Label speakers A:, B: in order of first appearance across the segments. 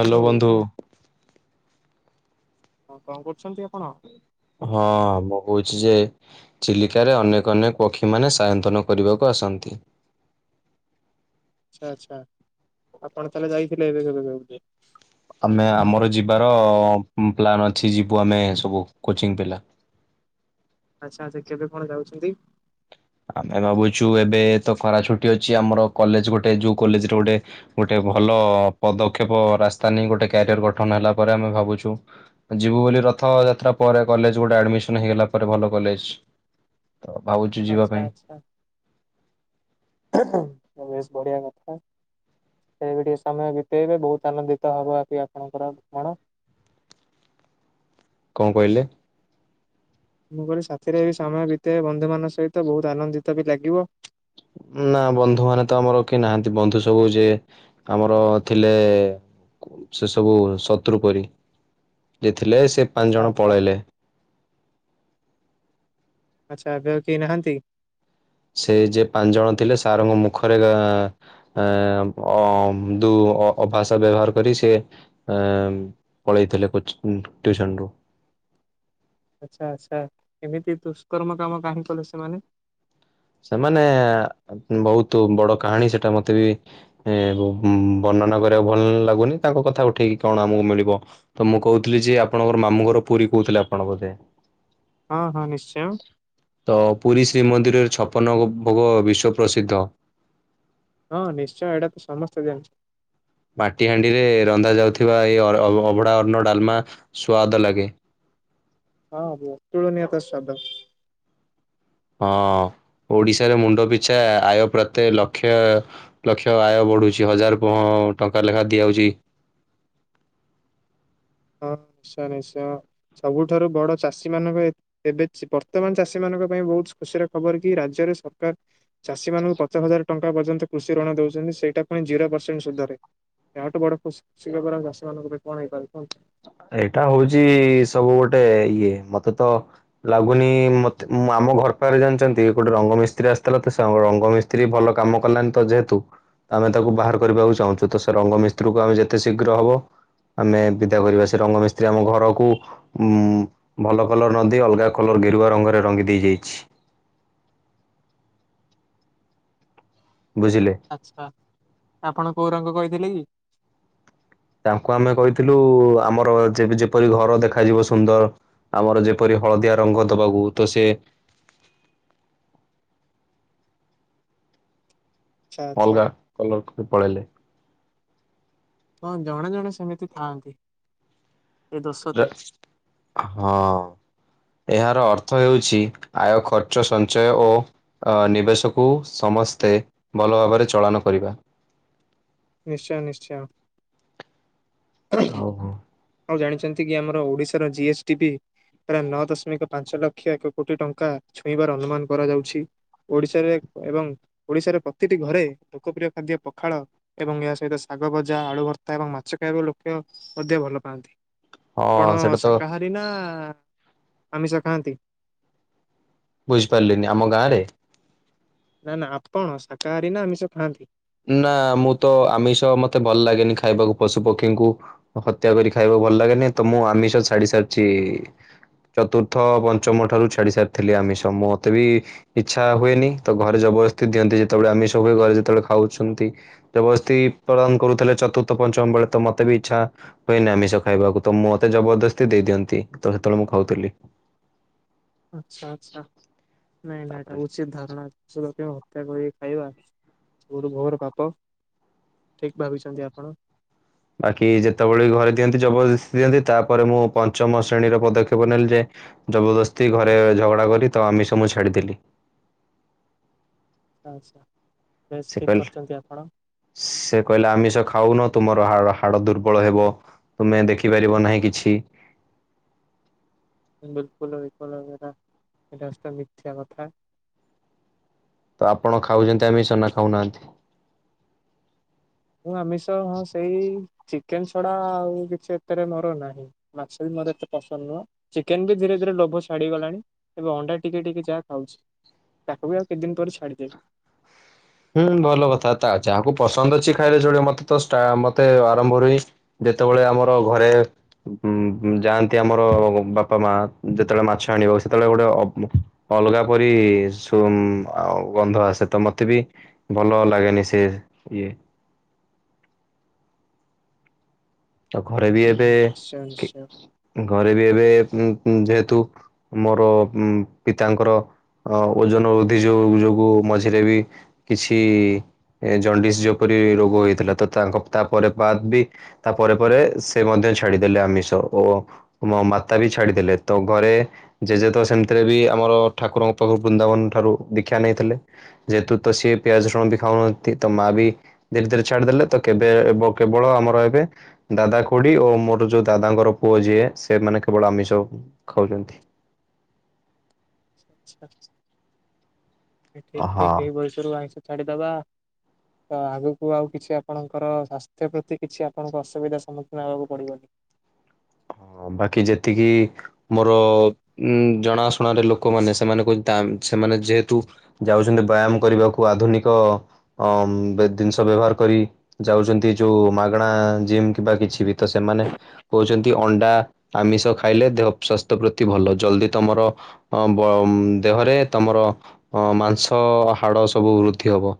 A: Hello ବନ୍ଧୁ।
B: ହଁ କଣ କରୁଛନ୍ତି ଆପଣ?
A: ହଁ ମୁଁ କହୁଛି ଯେ ଚିଲିକାରେ ଅନେକ ଅନେକ ପକ୍ଷୀମାନେ ସାୟନ୍ତନ କରିବାକୁ ଆସନ୍ତି।
B: ଆଚ୍ଛା ଆଚ୍ଛା ଆପଣ ତାହଲେ ଯାଇଥିଲେ ଏବେ କେବେ [unintelligible]
A: ଆମେ ଆମର ଯିବାର ପ୍ଲାନ୍ ଅଛି ଯିବୁ ଆମେ ସବୁ କୋଚିଂ ପିଲା।
B: ଆଚ୍ଛା ଆଚ୍ଛା କେବେ କଣ ଯାଉଛନ୍ତି?
A: ଆମେ ଭାବୁଛୁ ଏବେ ତ ଖରା ଛୁଟି ଅଛି ଆମର କଲେଜ ଗୋଟେ ଯୋଉ କଲେଜରେ ଗୋଟେ ଗୋଟେ ଭଲ ପଦକ୍ଷେପ ରାସ୍ତା ନେଇ ଗୋଟେ କ୍ୟାରିୟର ଗଠନ ହେଲା ପରେ ଆମେ ଭାବୁଛୁ ଯିବୁ ବୋଲି ରଥଯାତ୍ରା ପରେ କଲେଜ ଗୋଟେ ଆଡମିସନ ହେଇଗଲା ପରେ ଭଲ କଲେଜ। ତ ଭାବୁଛୁ ଯିବା
B: ଆଚ୍ଛା
A: ପାଇଁ
B: ଆଚ୍ଛା। ବେଶ ବଢିଆ କଥା। ସେ ବି ଟିକେ ସମୟ ବିତେଇବ ବହୁତ ଆନନ୍ଦିତ ହବ ଅତି ଆପଣଙ୍କର ମଣ।
A: କଣ କହିଲେ?
B: ମୁଁ କହିଲି ସାଥିରେ ବି ସମୟ ବିତେଇ ବନ୍ଧୁ ମାନଙ୍କ ସହିତ ବହୁତ ଆନନ୍ଦିତ ବି ଲାଗିବ।
A: ନା ବନ୍ଧୁ ମାନେ ତ ଆମର କେ ନାହାଁନ୍ତି ବନ୍ଧୁ ସବୁ ଯେ ଆମର ଥିଲେ କୁ ସେ ସବୁ ଶତୃ ପରି। ଯେ ଥିଲେ ସେ ପାଞ୍ଚ
B: ଆଚ୍ଛା
A: ଜଣ
B: ଆଚ୍ଛା।
A: ପଳେଇଲେ।
B: ଆଚ୍ଛା ଏବେ ଆଉ କେ ନାହାଁନ୍ତି?
A: ସେ ଯିଏ ପାଞ୍ଚ ଜଣ ଥିଲେ ସାରଙ୍କ ମୁଖରେ ଆଁ ଏଁ ଅ ଦୁ ଅ ଅଭାଷା ବ୍ୟବହାର କରି ସେ ଏମ ପଳେଇଥିଲେ କୋଚିଂ ଉଁ ଟ୍ୟୁସନ ରୁ।
B: ଆଚ୍ଛା ଆଚ୍ଛା ଏମିତି ଦୁଷ୍କର୍ମ କାମ କାହିଁ କଲେ ସେମାନେ?
A: ସେମାନେ ବହୁତ ବଡ କାହାଣୀ ସେଟା ମତେ ବି ଏ ବ ବର୍ଣ୍ଣନା କରିବାକୁ ଭଲ ଲାଗୁନି ତାଙ୍କ କଥା ଉଠେଇକି କଣ ଆମକୁ ମିଳିବ। ତ ମୁଁ କହୁଥିଲି ଯେ ଆପଣଙ୍କର ମାମୁଁ ଘର ପୁରୀ କହୁଥିଲେ ଆପଣ ବୋଧେ?
B: ହଁ ହଁ ନିଶ୍ଚୟ।
A: ତ ପୁରୀ ଶ୍ରୀମନ୍ଦିରରେ ଛପନ ଭୋ ଭୋଗ ବିଶ୍ଵ ପ୍ରସିଦ୍ଧ।
B: ହଁ ନିଶ୍ଚୟ ଏଇଟା ତ ସମସ୍ତେ ଜାଣିଛ।
A: ମାଟି ହାଣ୍ଡିରେ ରନ୍ଧା ଯାଉଥିବା ଏଇ ଅର ଅଭ ଅଭଡ଼ା ଅନ୍ନ ଡାଲମା ସୁଆଦ ଲାଗେ।
B: ହଁ ଅତୁଳନିୟ ତା ସ୍ୱାଦ।
A: ହଁ ଓଡିଶାରେ ମୁଣ୍ଡ ପିଛା ଆୟ ପ୍ରତେ ଲକ୍ଷେ ଲକ୍ଷ ଆୟ ବଢ଼ୁଛି ହଜାର ପହ ଟଙ୍କା ଲେଖା ଦିଆଯାଉଛି।
B: ହଁ ନିଶ୍ଚୟ ନିଶ୍ଚୟ ସବୁଠାରୁ ବଡ଼ ଚାଷୀ ମାନେ ବି ଏତ ଏବେ ଚି ବର୍ତ୍ତମାନ ଚାଷୀ ମାନଙ୍କ ପାଇଁ ବହୁତ ଖୁସିର ଖବର କି ରାଜ୍ୟରେ ସରକାର ଚାଷୀ ମାନଙ୍କୁ ପଚାଶ ହଜାର ଟଙ୍କା ପର୍ଯ୍ୟନ୍ତ କୃଷି ଋଣ ଦଉଛନ୍ତି ସେଇଟାପୁଣି ଜିରୋ ପରସେଣ୍ଟ ସୁଧରେ। ଏହାଠୁ ବଡ ଖୁସ ଖୁସି ଖବର ଆମ ଚାଷୀ ମାନଙ୍କ ପାଇଁ କଣ ହେଇପାରେ କୁହନ୍ତ?
A: ଏଇଟା ହଉଛି ସବୁ ଗୋଟେ ଇଏ ମତେତ ଲାଗୁନି ମତେ ମ ଆମ ଘର ପାଖରେ ଜାଣିଛନ୍ତି ଗୋଟେ ରଙ୍ଗ ମିସ୍ତ୍ରୀ ଆସିଥିଲା ତ ସେ ରଙ୍ଗ ମି ସେ ଭଲ କାମ କଲାନି ତ ଯେହେତୁ ଆମେ ତାକୁ ବାହାର କରିବାକୁ ଚାହୁଁଛୁ, ତ ସେ ରଙ୍ଗ ମିସ୍ତ୍ରୀକୁ ଆମେ ଯେତେ ଶୀଘ୍ର ହବ ଆମେ ବିଦା କରିବା ସେ ରଙ୍ଗ ମିିସ୍ତ୍ରୀ ଆମ ଘରକୁ ଉଁ ଭଲ କଲର ନଦେଇ, ଅଲଗା କଲର ଗେରୁଆ ରଙ୍ଗରେ ରଙ୍ଗି ଦେଇ ଯାଇଛି। ବୁଝିଲେ?
B: ଆଚ୍ଛା ଆପଣ କୋଉ ରଙ୍ଗ କହିଥିଲେ କି?
A: ତାଙ୍କୁ ଆମେ କହିଥିଲୁ, ଆମର ଯେପରି ଘର ଦେଖାଯିବ ସୁନ୍ଦର ଆମର ଯେପରି ହଳଦିଆ ରଙ୍ଗ ଦବାକୁ ତ ସେ
B: ଆଚ୍ଛା ଆଚ୍ଛା।
A: ଅଲଗା କଲରକୁ ପଳେଇଲେ
B: କଣ ଜଣେ ଜଣେ ସେମିତି ଥାଆନ୍ତି ଏ ଦୋଷ
A: ର
B: ଥାଏ।
A: ହଁ ଏହାର ଅର୍ଥ ହେଉଛି, ଆୟ ଖର୍ଚ୍ଚ ସଞ୍ଚୟ ଓ ଅ ନିବେଶକୁ ସମସ୍ତେ ଭଲ ଭାବରେ ଚଳନ କରିବା।
B: ନିଶ୍ଚୟ ନିଶ୍ଚୟ ଆଉ
A: ଓହୋ
B: ଜାଣିଛନ୍ତି କି, ଆମର ଓଡିଶାର ଜି ଏସ୍ ଡି ପି। ପ୍ରାୟ ନଅ ଦଶମିକ, ପାଞ୍ଚ ଲକ୍ଷ ଏକ କୋଟି ଟଙ୍କା ଛୁଇଁବାର ଅନୁମାନ କରାଯାଉଛି। ଓଡ଼ିଶାରେ ଏବଂ ଓଡ଼ିଶାରେ ପ୍ରତିଟି ଘରେ ଲୋକପ୍ରିୟ ଖାଦ୍ୟ ପଖାଳ ଏବଂ ଏହା ସହିତ ଶାଗଭଜା, ଆଳୁ ଭର୍ତ୍ତା ଏବଂ ମାଛ ଖାଇବା ଲୋକ ଅଧିକ ଭଲ ପାଆନ୍ତି।
A: ହଁ
B: ଆପଣ
A: ସେଟା ତ
B: ଶାକାହାରୀ ସିନା ଆମିଷ ଖାନ୍ତି।
A: ବୁଝିପାରିଲିନି ଆମ ଗାଁ ରେ
B: ନା ନା ଆପଣ ସାାକାହାରୀ ନା ଆମିଶ ଖାଆନ୍ତି?
A: ନା ମୁଁ ତ ଆମିଷ, ମତେ ଭଲ ଲାଗେନି ଖାଇବାକୁ ପଶୁ ପକ୍ଷୀଙ୍କୁ। ହତ୍ୟା କରି ଖାଇବାକୁ ଭଲ ଲାଗେନି, ତ ମୁଁ ଆମିଷ ଛାଡି ସାରିଛି ଚତୁର୍ଥ ପଞ୍ଚମଠାରୁ ଛାଡ଼ି ସାରିଥିଲି ଆମିସ। ମୋତେ ବି ଇଚ୍ଛା ହୁଏନି। ତ ଘରେ ଜବରଦସ୍ତି ଦିଅନ୍ତି, ଯେତେବେଳେ ଆମିଷ ହୁଏ, ଘରେ ଯେତେବେଳେ ଖାଉଛନ୍ତି ଜବସ୍ତି ପ୍ରଦାନ କରୁଥିଲେ, ଚତୁର୍ଥ ପଞ୍ଚମ ବେଳେ ତ ମତେ ବି ଇଚ୍ଛା ହୁଏନି ଆମିଷ ଖାଇବାକୁ, ତ ମୁଁ ମତେ ଜବରଦସ୍ତି ଦେଇ ଦିଅନ୍ତି, ତ ସେତେବେଳେ ମୁଁ ଖାଉଥିଲି।
B: ଆଚ୍ଛା ଆଚଛା ନାଇଁ ନାଟା
A: ତାପରେ
B: ଉଚିତ ଧାରଣା ଲୋକ ହତ୍ୟା କରି ଖାଇବା ଘୋର ଘୋର ପାପ। ଠିକ ଭାବିଛନ୍ତି ଆପଣ।
A: ବାକି ଯେତେବେଳେ ଘରେ ଦିଅନ୍ତି, ଜବରଦସ୍ତି ଦିଅନ୍ତି, ତାପରେ ମୁଁ ପଞ୍ଚମ ଶ୍ରେଣୀର ପଦକ୍ଷେପ ନେଲି ଯେ ଜବରଦସ୍ତି ଘରେ, ଝଗଡ଼ା କରି, ତ ଆମିଷ ମୁଁ ଛାଡ଼ିଦେଲି।
B: ଆଚ୍ଛା ବେଶ
A: ସେ
B: ଠିକ୍
A: କହିଲେ
B: କରିଛନ୍ତି ଆପଣ।
A: ସେ କହିଲେ ଆମିଷ ଖାଉନ, ତୁମର ହ ହାଡ଼ ଦୁର୍ବଳ ହେବ। ତୁମେ ଦେଖିପାରିବ ନାହିଁ କିଛି।
B: ବିଲକୁଲ ବିଲକୁଲ ସେଟା ସେଟା ମିଥ୍ୟା କଥା।
A: ତ ଆପଣ ଖାଉଛନ୍ତି ଆମିଷ ନା ଖାଉନାହାନ୍ତି?
B: ମୁଁ ଆମିଷ ହଁ ସେଇ ଚିକେନ ଛଡ଼ା ଆଉ କିଛି ଏତରେ ମୋର ନାହିଁ। ମାଛ ବି ମୋର ଏତେ ପସନ୍ଦ ନୁହଁ, ଚିକେନ ବି ଧୀରେ ଧୀରେ ଲୋଭ ଛାଡିଗଲାଣି। ଏବେ ଅଣ୍ଡା ଟିକେ ଟିକେ ଯାହା ଖାଉଛି, ତାକୁ ବି ଆଉ କେତେ ଦିନ ପରେ ଛାଡ଼ିଦେବି।
A: ହୁଁ ଭଲ କଥା ତା ଅଛି ଆକୁ ପସନ୍ଦ ଅଛି ଖାଇଲେ ଚଳିବ ମତେ ତ ମତେ ଆରମ୍ଭରୁ ହିଁ ଯେତେବେଳେ ଆମର ଘରେ ଉ ଯାଆନ୍ତି ଆମର ବାପା ମା ଯେତେବେଳେ ମାଛ ଆଣିବ ସେତେବେଳେ ଗୋଟେ ଅଲଗା ପରି ସୁ ଗନ୍ଧ ଆସେ ତ ମତେ ବି ଭଲ ଲାଗେନି ସେ ଇଏ। ଆଉ ଘରେ ବି ଏବେ
B: ନିଶ୍ଚୟ ନିଶ୍ଚୟ
A: ଘରେ ବି ଏବେ ଉଁ -ଉଁ- ଯେହେତୁ ମୋର ଉଁ- ପିତାଙ୍କର ଓଜନ ବୃଦ୍ଧି ଯ -ଯୋଗୁ ମଝିରେ ବି କିଛି ଜଣ୍ଡିସ୍ ଯେପରି ରୋଗ ହେଇଥିଲା ତ ତାଙ୍କ ତାପରେ ବାଦ୍ ବି ତା ପରେ ପରେ ସେ ମଧ୍ୟ ଛାଡିଦେଲେ ଆମିଷ ଓ ମୋ ମାତା ବି ଛାଡିଦେଲେ ତ ଘରେ ଜେଜେ ତ ସେମିତିରେ ବି ଆମର ଠାକୁରଙ୍କ ପାଖରୁ ବୃନ୍ଦାବନ ଠାରୁ ଦୀକ୍ଷା ନେଇଥିଲେ। ଯେହେତୁ ତ ସିଏ ପିଆଜ ରସୁଣ ବି ଖାଉନାହାନ୍ତି ତ ମା ବି ଧୀରେ ଧୀରେ ଛାଡିଦେଲେ ତ କେବେ ବ- କେବଳ ଆମର ଏବେ ଦାଦା ଖୁଡି ଓ ମୋର ଯଉ ଦାଦାଙ୍କର ପୁଅ ଯିଏ ସେମାନେ କେବଳ ଆମିଷ ଖାଉଚନ୍ତି।
B: [unintelligible] ଠିକ୍ ଠିକ୍
A: ହଁ।
B: ଏଇ ବୟସରୁ ଆଇଁଷ ଛାଡିଦବା ତ ଆଗକୁ ଆଉ କିଛି ଆପଣଙ୍କର ସ୍ୱାସ୍ଥ୍ୟ ପ୍ରତି କିଛି ଆପଣଙ୍କୁ ଅସୁବିଧା ସମ୍ମୁଖୀନ ହବାକୁ ପଡିବନି।
A: ହଁ ବାକି ଯେତିକି ମୋର ଉଁ- ଜଣାଶୁଣାରେ ଲୋକମାନେ ସେମାନେ କହୁଚନ୍ତି ତା ସେମାନେ ଯେହେତୁ ଯାଉଚନ୍ତି ବ୍ୟାୟାମ କରିବାକୁ ଆଧୁନିକ ଅ- ଜିନିଷ ବ୍ୟବହାର କରି। ଯାଉଚନ୍ତି ଯଉ ମାଗେଣା ଜିମ୍ କିମ୍ବା କିଛି ବି ତ ସେମାନେ କହୁଚନ୍ତି ଅଣ୍ଡା ଆମିଷ ଖାଇଲେ ଦେହ ସ୍ଵାସ୍ଥ୍ୟ ପ୍ରତି ଭଲ ଜଲ୍ଦି ତମର ଅ -ବ- ଦେହରେ ତମର ଅ -ମାଂସ ହାଡ ସବୁ ବୃଦ୍ଧି ହବ।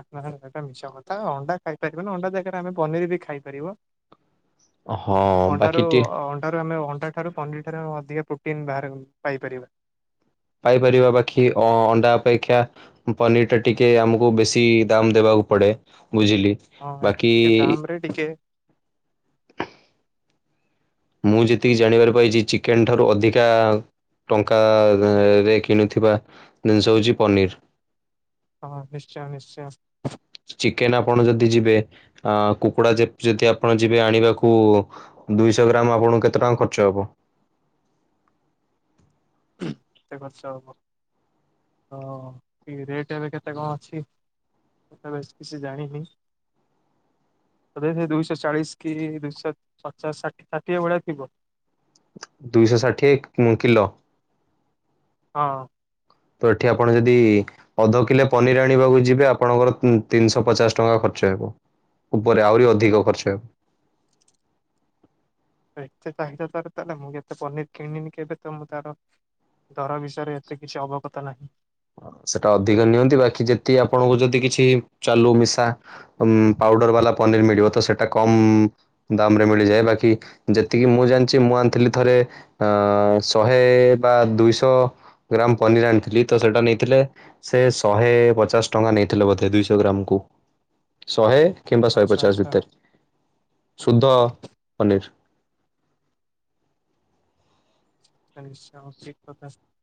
B: ଆ ଏଟା ମିଛ କଥା ଅଣ୍ଡା ଖାଇପାରିବନି ଅଣ୍ଡା ଜାଗାରେ ଆମେ ପନିର୍ ବି ଖାଇପାରିବ।
A: ହଁ
B: ଅଣ୍ଡା ରୁ
A: ବାକି ଟି
B: ଅଣ୍ଡାରୁ ଆମେ ଅଣ୍ଡା ଠାରୁ ପନିର୍ ଠାରେ ଆମେ ଅଧିକା ପ୍ରୋଟିନ୍ ବାହାର- ପାଇପାରିବା।
A: ପାଇପାରିବ ବାଖି ଅ- ଅଣ୍ଡା ଅପେକ୍ଷା ପନିର୍ ଟା ଟିକେ ଆମୁକୁ ବେଶୀ ଦାମ୍ ଦେବାକୁ ପଡେ ବୁଝିଲି।
B: ହଁ ହେଇଠୁ
A: ବାକି
B: ଟିକେ ଦାମ୍ ରେ ଟିକେ
A: ମୁଁ ଯେତିକି ଜାଣିବାର ପାଇଚି ଚିକେନ୍ ଠାରୁ ଅଧିକା ଟଙ୍କା ରେ କିଣୁଥିବା ଜିନିଷ ହଉଚି ପନିର୍।
B: ହଁ ନିଶ୍ଚୟ ନିଶ୍ଚୟ।
A: ଚିକେନ୍ ଆପଣ ଯଦି ଯିବେ ଆ- କୁକୁଡା ଯେ-ଯଦି ଆପଣ ଯିବେ ଆଣିବାକୁ ଦୁଇଶ ଗ୍ରାମ୍ କୁ ଆପଣଙ୍କୁ କେତେ ଟଙ୍କା ଖର୍ଚ୍ଚ ହବ?
B: କେତେ ଖର୍ଚ୍ଚ ହବ ହଁ -କି ରେଟ୍ ଏବେ କେତେ କଣ ଅଛି? ମୁଁ ତ ବେଶ୍ କିଛି ଜାଣିନି। ଏବେ ସେ ଦୁଇଶ ଚାଳିଶ୍ କି ଦୁଇଶ ପଚାଶ୍ ଷାଠିଏ- ଷାଠିଏ ଭଳିଆ ଥିବ।
A: ଦୁଇଶ ଷାଠିଏ ଉଁ- କିିଲୋ?
B: ହଁ।
A: ତ ଏଠି ଆପଣ ଯଦି ଅଧ କିଲେ ପନିର୍ ଆଣିବାକୁ ଯିବେ ଆପଣଙ୍କର ଉଁ -ତିନିଶ ପଚାଶ ଟଙ୍କା ଖର୍ଚ୍ଚ ହବ। ଉପରେ ଆହୁରି ଅଧିକ ଖର୍ଚ୍ଚ ହେବ।
B: ଏତେ ଚାହିଦା ତାର ତାହେଲେ ମୁଁ ଏତେ ପନିର୍ କିଣିନି କେବେ ତ ମୁଁ ତାର ଦର ବିଷୟରେ ଏତେ କିଛି ଅବଗତା ନାହିଁ।
A: ସେଟା ଅଧିକ ନିଅନ୍ତି ବାକି ଯେତିକି ଆପଣଙ୍କୁ ଯଦି କିଛି ଚାଲୁ ମିଶା ଉଁ- ପାଉଡର୍ ବାଲା ପନିର୍ ମିଳିବ ତ ସେଟା କମ୍ ଦାମ୍ ରେ ମିଳିଯାଏ ବାକି ଯେତିକି ମୁଁ ଜାଣିଚି ମୁଁ ଆଣିଥିଲି ଥରେ ଅ- ଶହେ ବା ଦୁଇଶ ଗ୍ରାମ୍ ପନିର୍ ଆଣିଥିଲି ତ ସେଟା ନେଇଥିଲେ ସେ ଶହେ ପଚାଶ୍ ଟଙ୍କା ନେଇଥିଲେ ବୋଧେ ଦୁଇଶ ଗ୍ରାମ୍ କୁ। ଶହେ କିମ୍ବା ଶହେ
B: ଆଚ୍ଛା
A: ପଚାଶ
B: ଆଚ୍ଛା
A: ଭିତରେ ଶୁଦ୍ଧ ପନିର।
B: [unintelligible]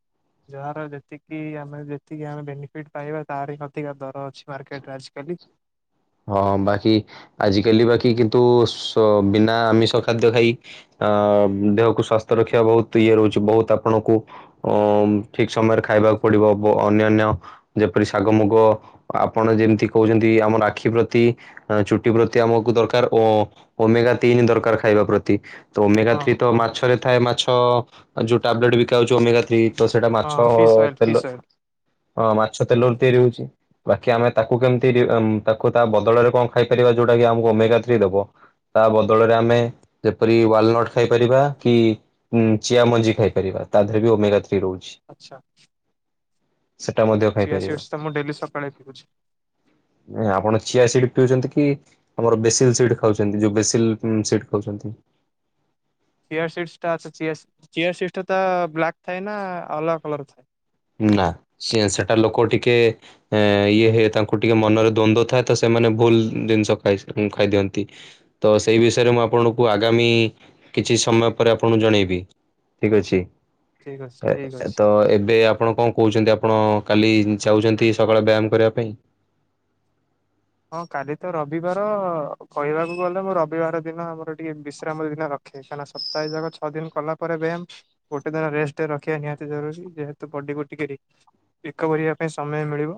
B: ଯାହାର ଯେତିକି ଆମେ ଯେତିକି ଆମେ ବେନିଫିଟ ପାଇବା ତାର ଅଧିକା ଦର ଅଛି ମାର୍କେଟରେ ଆଜିକାଲି।
A: ହଁ ବାକି ଆଜିକାଲି ବାକି କିନ୍ତୁ ସ ବିନା ଆମିଷ ଖାଦ୍ୟ ଖାଇ ଅ ଦେହକୁ ସ୍ଵାସ୍ଥ ରଖିବା ବହୁତ ଇଏ ରହୁଛି ବହୁତ ଆପଣଙ୍କୁ ଅ ଠିକ ସମୟରେ ଖାଇବାକୁ ପଡ଼ିବ ବ ଅନ୍ୟାନ୍ୟ ଯେପରି ଶାଗ ମୁଗ ଆପଣ ଯେମିତି କହୁଛନ୍ତି ଆମ ନା ଖି ପ୍ରତି ଆ ଚୁଟି ପ୍ରତି ଆମକୁ ଦରକାର ଓ ଓମେଗା ତିନି ଦରକାର ଖାଇବା ପ୍ରତି। ତ ଓମେଗା ଥ୍ରୀ
B: ହଁ
A: ତ
B: ହଁ
A: ମାଛରେ ଥାଏ ମାଛ ଯୋଉ ଟାବଲେଟ ବିକା ହୋଉଛି ଓମେଗା ଥ୍ରୀ। ତ ସେଇଟା
B: ହଁ
A: ମାଛ
B: ଫିସ୍ ଅଏଲ ଫିସ୍
A: ତେଲ
B: ଅଏଲ
A: ଅଁ ମାଛ ତେଲରୁ ତିଆରି ହଉଛି ବାକି ଆମେ ତାକୁ କେମିତି ରି ତାକୁ ତା ବଦଳରେ କଣ ଖାଇପାରିବା ଯୋଉଟା କି ଆମକୁ ଓମେଗା ଥ୍ରୀ ଦବ। ତା ବଦଳରେ ଆମେ ଯେପରି ୱାଲନଟ୍ ଖାଇପାରିବା କି ଉଁ ଚିଆ ମଞ୍ଜି ଖାଇପାରିବା ତା ଦେହରେ ବି ଓମେଗା ଥ୍ରୀ ରୋହୁଛି।
B: ଆଚ୍ଛା।
A: ସେଟା ମଧ୍ୟ ଖାଇପାରିବା
B: ଚିଆସିଡ଼ସ ତ ମୁଁ ଡ଼େଲି ସକାଳେ ପିଉଚି।
A: ଅଁ ଆପଣ ଚିଆସିଡ଼ ପିଉଚନ୍ତି କି ଆମର ବେସିଲ ସିଟ ଖାଉଛନ୍ତି ଯୋଉ ବେସିଲ ସିଟ ଖାଉଚନ୍ତି।
B: ଚିଆସିଡ୍ସ ଟା ଚିଆ ଚିଆସିଡ୍ସ ଟା ତା ବ୍ଲାକ୍ ଥାଏ ନା ଅଲଗା କଲର ଥାଏ?
A: ନା ସିଆ ସେଟା ଲୋକ ଟିକେ ଏ ଇଏ ହେ ତାଙ୍କୁ ଟିକେ ମନରେ ଦ୍ଵନ୍ଦ ଥାଏ ତ ସେମାନେ ଭୁଲ ଜିନିଷ ଖାଇ ଖାଇଦିଅନ୍ତି। ତ ସେଇ ବିଷୟରେ ମୁଁ ଆପଣଙ୍କୁ ଆଗାମୀ କିଛି ସମୟ ପରେ ଆପଣଙ୍କୁ ଜଣେଇବି। ଠିକ ଅଛି
B: ଠିକ୍ ଅଛି
A: ଏ
B: ଠିକ୍ ଅଛି।
A: ତ ଏବେ ଆ ଆପଣ କଣ କହୁଛନ୍ତି ଆପଣ କାଲି ଯାଉଚନ୍ତି ସକାଳେ ବ୍ୟାୟାମ୍ କରିବା ପାଇଁ?
B: ହଁ କାଲି ତ ରବିବାର କହିବାକୁ ଗଲେ ମୁଁ ରବିବାର ଦିନ ଆମର ଟିକେ ବିଶ୍ରାମ ଦିନ ର ଖେ କାହିଁକିନା ସପ୍ତାହେ ଯାଙ୍କ ଛଅ ଦିନ କଲା ପରେ ବ୍ୟାାମ୍ ଗୋଟେ ଦିନ ରେଷ୍ଟ ରଖିବା ନିହାତି ଜରୁରୀ ଯେହେତୁ ବଡ଼ିକୁ ଟିକେ ରି ଇକୋଭରିବା ପାଇଁ ସମୟ ମିଳିବ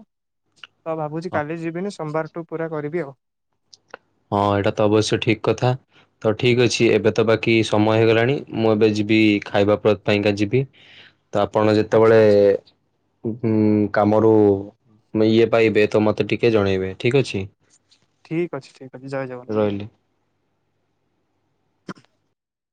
B: ତ ଭାବୁଚି
A: ହଁ
B: କାଲି ଯିବିନି ସୋମବାରଠୁ ପୁରା କରିବି ଆଉ।
A: ହଁ ଏଇଟା ତ ଅବଶ୍ୟ ଠିକ କଥା। ତ ଠିକ୍ ଅଛି ଏବେ ତ ବାକି ସମୟ ହେଇଗଲାଣି ମୁଁ ଏବେ ଯିବି ଖାଇବା ପ୍ର ପାଇଁକା ଯିବି। ତ ଆପଣ
B: ଆଚ୍ଛା
A: ଯେତେବେଳେ
B: ଆଚ୍ଛା।
A: ଉଁ କାମରୁ ଇଏ ପାଇବେ ତ ମତେ ଟିକେ ଜଣେଇବେ ଠିକ୍ ଅଛି।
B: ଠିକ୍ ଅଛି ଠିକ ଅଛି ଜୟ ଜଗନ୍ନାଥ।
A: ରହିଲି।